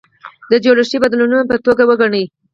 د جوړښتي بدلون په توګه وګڼي.